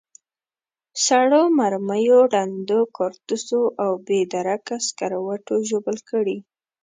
سړو مرمیو، ړندو کارتوسو او بې درکه سکروټو ژوبل کړي.